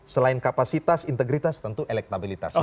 selain kapasitas integritas tentu elektabilitas